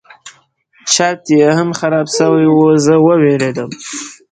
چت یې هم خراب شوی و زه وویرېدم.